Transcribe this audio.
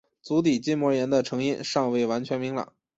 足底筋膜炎的成因尚未完全明朗。